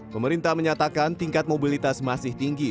pemerintah menyatakan tingkat mobilitas masih tinggi